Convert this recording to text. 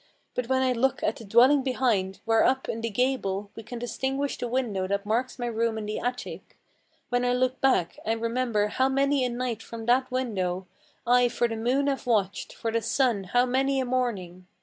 But when I look at the dwelling behind, where up in the gable We can distinguish the window that marks my room in the attic; When I look back, and remember how many a night from that window I for the moon have watched; for the sun, how many a morning!